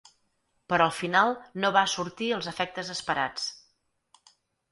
Però al final no va assortir els efectes esperats.